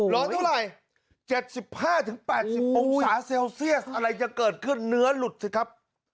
รอเท่าไหร่๗๕๘๐องศาเซลเซียสอะไรจะเกิดขึ้นเนื้อหลุดสิครับ